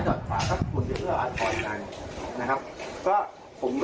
จะไม่เคลียร์กันได้ง่ายนะครับ